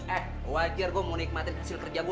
eh wajar gue mau nikmatin hasil kerja gue